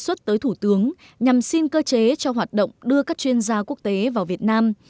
đề xuất tới thủ tướng nhằm xin cơ chế cho hoạt động đưa các chuyên gia quốc tế vào việt nam